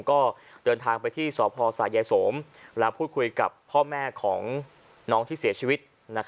ก็เดินทางไปที่สพสายยายสมและพูดคุยกับพ่อแม่ของน้องที่เสียชีวิต